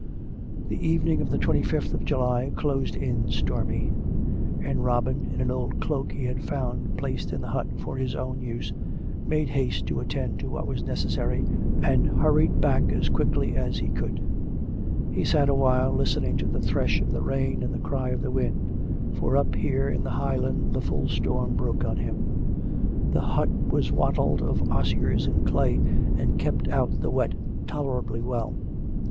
The evening of the twenty fifth of July closed in stormy ; and Robin, in an old cloak he had found placed in the hut for his own use, made haste to attend to what was neces sary, and hurried back as quickly as he could. He sat a while, listening to the thresh of the rain and the cry of COME RACK! COME ROPE! 405 the wind ; for^ up here in the high land the full storm broke on him. (The hut was wattled of osiers and clay, and kept out the wet tolerably well.)